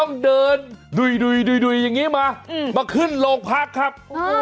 เดินดุยอย่างนี้มามาขึ้นโรงพักครับ